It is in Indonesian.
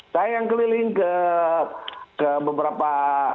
saya yang keliling ke beberapa